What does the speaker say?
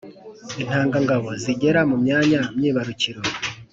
intangangabo zigera mu myanya myibarukiro